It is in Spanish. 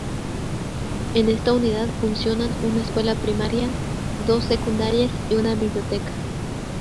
En esta unidad funcionan una escuela primaria, dos secundarias y una biblioteca.